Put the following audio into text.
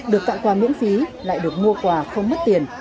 được tặng quà miễn phí lại được mua quà không mất tiền